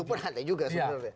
itu pun ada juga sebenarnya